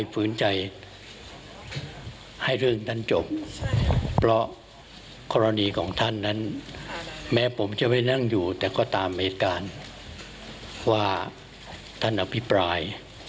ผู้พิสุทธิ์ในต้นนั้นแม้ผมจะไปนั่งอยู่แต่ก็ตามเหตุการณ์ว่าท่านอภิปราย